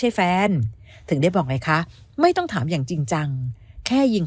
ให้แฟนถึงได้บอกไงคะไม่ต้องถามอย่างจริงจังแค่ยิง